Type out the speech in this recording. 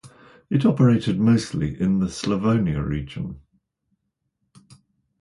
It operated mostly in the Slavonia region.